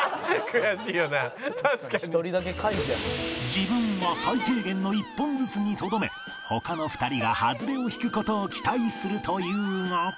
自分は最低限の１本ずつにとどめ他の２人がハズレを引く事を期待するというが